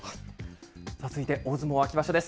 続いて大相撲秋場所です。